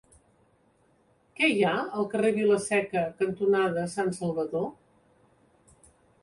Què hi ha al carrer Vila-seca cantonada Sant Salvador?